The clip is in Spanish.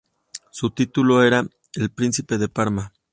Su título era el de Príncipe de Parma.